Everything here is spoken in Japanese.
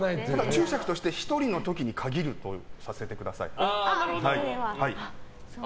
注釈として１人の時に限るとさせてください。